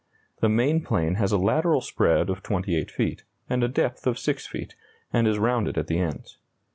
The main plane has a lateral spread of 28 feet and a depth of 6 feet, and is rounded at the ends.